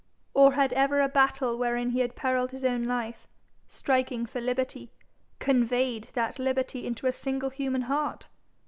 Or had ever a battle wherein he had perilled his own life, striking for liberty, conveyed that liberty into a single human heart?